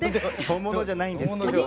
本物じゃないんですけど。